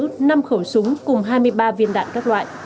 trong khẩu súng cùng hai mươi ba viên đạn các loại